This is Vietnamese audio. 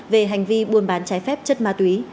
về hành vi buôn bán trái phép chất ma túy